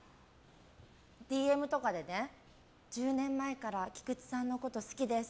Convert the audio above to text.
ＤＭとかで１０年前から菊地さんのこと好きです。